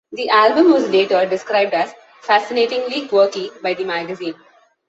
The album was later described as "fascinatingly quirky" by the magazine.